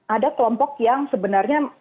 ada kelompok yang sebenarnya